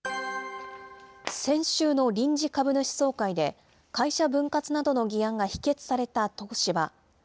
先週の臨時株主総会で、会社分割などの議案が否決された東芝。